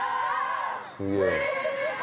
すげえ。